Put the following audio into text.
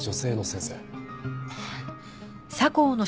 はい。